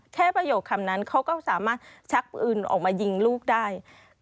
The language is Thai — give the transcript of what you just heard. ประโยคคำนั้นเขาก็สามารถชักปืนออกมายิงลูกได้